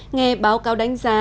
nghe báo cáo đánh giá